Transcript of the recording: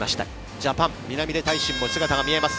ジャパン南出大伸の姿も見えます。